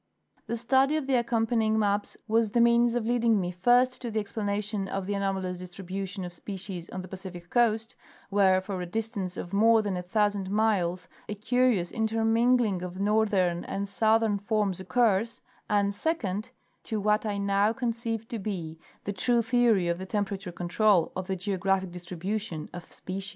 The study of the accompanying maps was the means of lead _ ing me, first, to the explanation of the anomalous distribution of species on the Pacific coast, where for a distance of more than a thousand miles a curious intermingling of northern and southern forms occurs ; and, second, to what I now conceive to be the true theory of the temperature control of the geographic distribution of species.